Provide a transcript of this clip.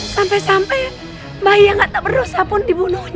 sampai sampai bayi yang gak terberdosa pun dibunuhnya